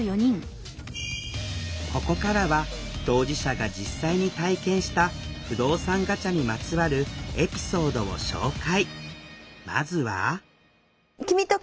ここからは当事者が実際に体験した不動産ガチャにまつわるエピソードを紹介！